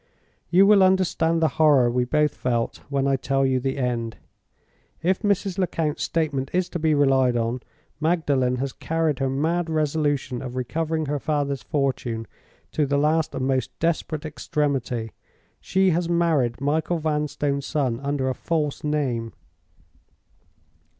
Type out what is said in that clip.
You will understand the horror we both felt when I tell you the end. If Mrs. Lecount's statement is to be relied on, Magdalen has carried her mad resolution of recovering her father's fortune to the last and most desperate extremity—she has married Michael Vanstone's son under a false name.